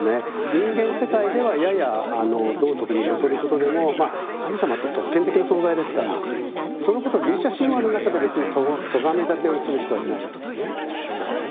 人間世界ではやや道徳にもとることでも神様って特権的な存在ですからそのことをギリシャ神話の中で別にとがめだてをする人はいないわけですね。